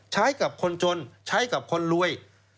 ใช้กับคนจนใช้กับคนรวย